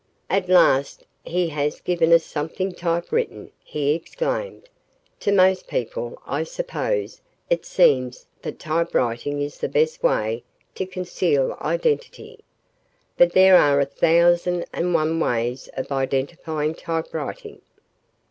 "At last he has given us something typewritten," he exclaimed. "To most people, I suppose, it seems that typewriting is the best way to conceal identity. But there are a thousand and one ways of identifying typewriting.